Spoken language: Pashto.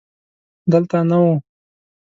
دلته نه و.